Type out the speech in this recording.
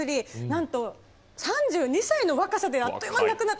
なんと３２歳の若さであっという間に亡くなってしまうなんて。